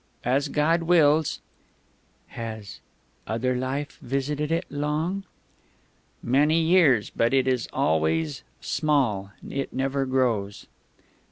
"As God wills." "Has ... other life ... visited it long?" "Many years; but it is always small; it never grows."